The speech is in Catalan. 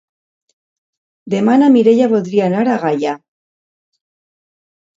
Demà na Mireia voldria anar a Gaià.